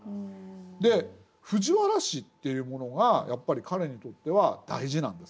藤原氏っていうものがやっぱり彼にとっては大事なんですね。